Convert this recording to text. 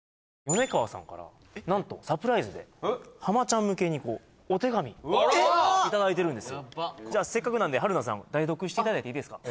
米川さんからなんとサプライズでハマちゃん向けにこうお手紙いただいてるんですよじゃあせっかくなんで春菜さん代読していただいていいですか？